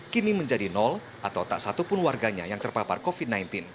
kini menjadi atau tak satu pun warganya yang terpapar covid sembilan belas